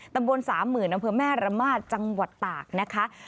ตำบล๓๐๐๐อำเภอแม่ระมาทจังหวัดตากนะคะ